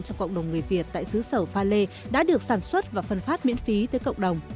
cho cộng đồng người việt tại xứ sở pha lê đã được sản xuất và phân phát miễn phí tới cộng đồng